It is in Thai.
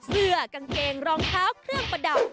เสื้อกางเกงรองเท้าเครื่องประดับ